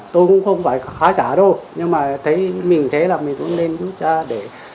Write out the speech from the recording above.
tôi cũng không phải khá giả đâu nhưng mà thấy mình thế là mình cũng nên giúp cha để